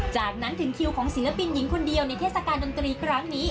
จากนั้นถึงคิวของศิลปินหญิงคนเดียวในเทศกาลดนตรีครั้งนี้